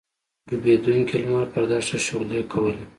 ډوبېدونکی لمر پر دښته شغلې کولې.